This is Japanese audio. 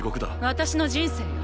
私の人生よ